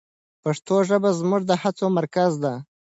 پښتو ژبه زموږ د هڅو مرکز ده.